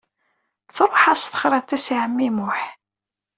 Truḥ-as texriḍt-is i ɛemmi Muḥ.